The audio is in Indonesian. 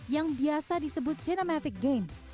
yang biasa disebut cinematic games